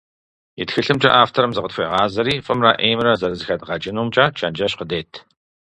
И тхылъымкӀэ авторым зыкъытхуегъазэри фӀымрэ Ӏеймрэ зэрызэхэдгъэкӀынумкӀэ чэнджэщ къыдет.